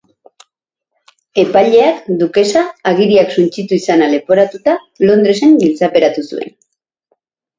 Epaileak dukesa agiriak suntsitu izana leporatuta Londresen giltzaperatu zuen.